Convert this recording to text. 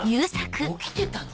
起きてたの？